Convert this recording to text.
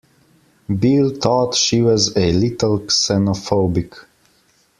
Bill thought she was a little xenophobic.